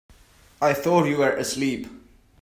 I thought you were asleep.